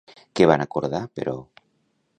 Què van acordar, però?